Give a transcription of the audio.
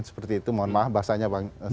seperti itu mohon maaf bahasanya bang